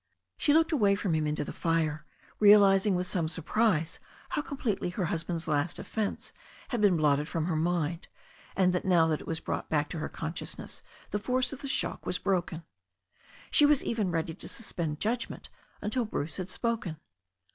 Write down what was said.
She looked away from him into the fire, realizing with some surprise how completely her husband's last offence had been blotted from her mind, and that now that it was brought back to her consciousness the force of the shock was broken. She was even ready to suspend judgment until Bruce had spoken.